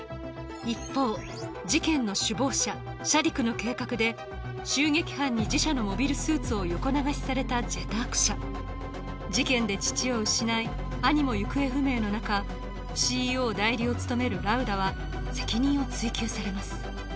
一方事件の首謀者シャディクの計画で襲撃犯に自社のモビルスーツを横流しされた「ジェターク社」事件で父を失い兄も行方不明のなかＣＥＯ代理を務めるラウダは責任を追及されます